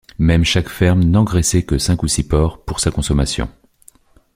Même chaque ferme n’engraissait que cinq ou six porcs, pour sa consommation.